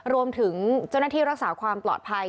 รวมถึงเจ้าหน้าที่รักษาความปลอดภัย